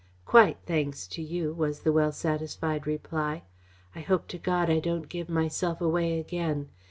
"Quite, thanks to you," was the well satisfied reply. "I hope to God I don't give myself away again!